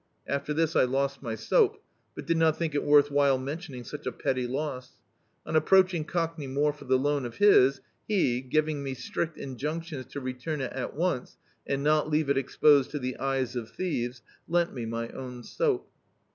After this I lost my soap, but did not think it worth while mentioning such a petty loss. On approaching Cockney More for the loan of his, he — giving me strict injunctions to retum it at once, and not leave it exposed to the eyes of thieves — lent me my own soap.